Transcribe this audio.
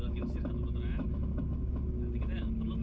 oh ini baru bikin donut